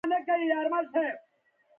چې تاسې سره د خېښۍ وياړ ترلاسه کو.